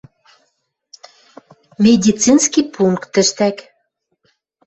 Медицинский пункт тӹштӓк.